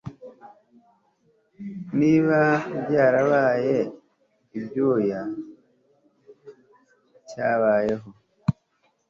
niba byarabaye ibyuya cyabayeho